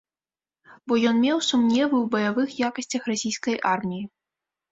Бо ён меў сумневы ў баявых якасцях расійскай арміі.